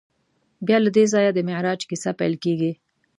بیا له دې ځایه د معراج کیسه پیل کېږي.